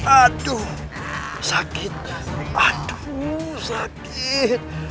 aduh sakit aduh sakit